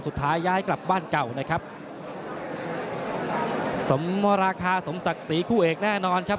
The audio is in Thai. สุดท้ายย้ายกลับบ้านเก่านะครับสมมราคาสมศักดิ์ศรีคู่เอกแน่นอนครับ